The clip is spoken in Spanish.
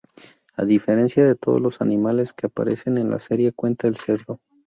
A diferencia de todos los animales que aparecen en la serie cuenta el cerdo.